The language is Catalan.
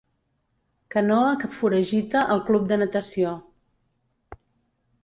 Canoa que foragita el Club de Natació.